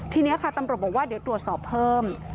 ทีนี้ค่ะตำรวจบอกว่าเดี๋ยวตรวจสอบเพิ่ม